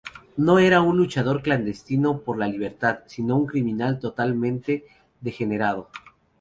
No era un luchador clandestino por la libertad, sino un criminal totalmente degenerado.